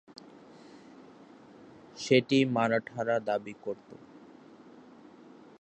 সেটি মারাঠারা দাবি করত।